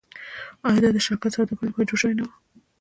آیا دا شرکت د سوداګرۍ لپاره جوړ شوی نه و؟